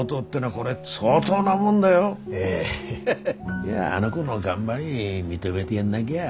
いやあの子の頑張り認めでやんなぎゃ。